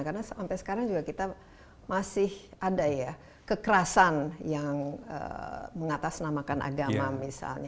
karena sampai sekarang juga kita masih ada ya kekerasan yang mengatasnamakan agama misalnya